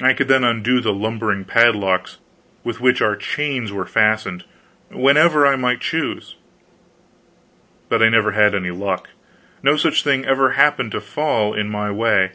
I could then undo the lumbering padlocks with which our chains were fastened, whenever I might choose. But I never had any luck; no such thing ever happened to fall in my way.